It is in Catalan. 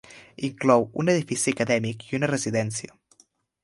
Inclou un edifici acadèmic i una residència.